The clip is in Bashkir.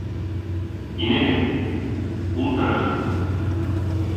Инегеҙ! Ултырығыҙ!